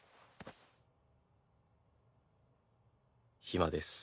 暇です。